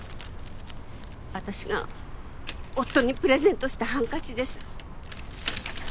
私が夫にプレゼントしたハンカチです。